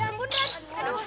kaki aku tuh sakit banget